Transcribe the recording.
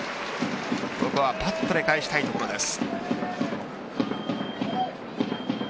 ここはバットで返したいところです。